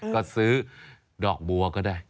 ก็ซื้อดอกบัวก็ได้